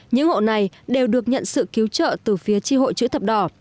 những hộ này đều được nhận sự cứu trợ từ phía tri hội chữ thập đỏ